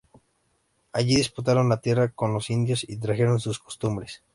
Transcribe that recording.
Allí disputaron la tierra con los indios y trajeron sus costumbres.